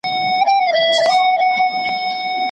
که تيوري سمه نه وي نو عملي پايلې به يې هم خرابې وي.